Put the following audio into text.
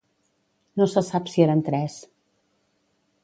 No se sap si eren tres.